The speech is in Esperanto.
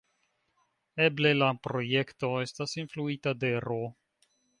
Eble la projekto estas influita de Ro.